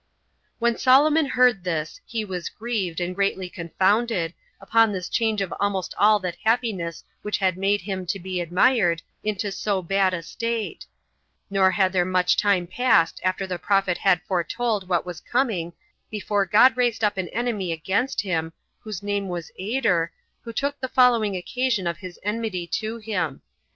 6. When Solomon heard this he was grieved, and greatly confounded, upon this change of almost all that happiness which had made him to be admired, into so bad a state; nor had there much time passed after the prophet had foretold what was coming before God raised up an enemy against him, whose name was Ader, who took the following occasion of his enmity to him.